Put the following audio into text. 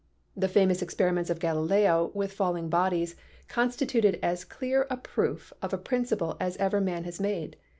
The famous experiments of Galileo with falling bodies constituted as clear a proof of a principle as ever man has made.